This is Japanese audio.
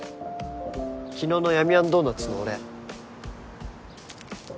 昨日の闇あんドーナツのお礼。